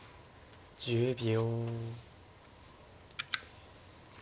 １０秒。